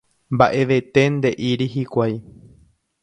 Mba'evete nde'íri hikuái.